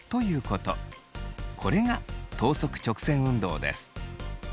これが等速直線運動です。